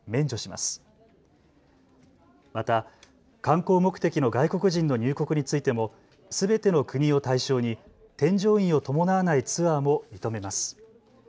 また観光目的の外国人の入国についてもすべての国を対象に添乗員を伴わないツアーも認めます。